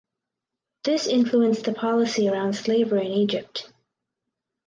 This influenced the policy around slavery in Egypt.